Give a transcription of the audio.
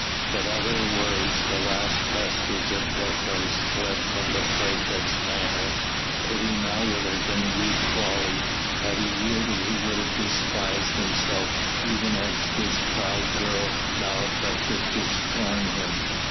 But at her words the last vestige of deference fled from the praefect's manner; pity now would have been weak folly. Had he yielded he would have despised himself even as this proud girl now affected to scorn him.